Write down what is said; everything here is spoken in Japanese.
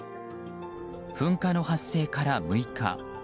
噴火の発生から６日。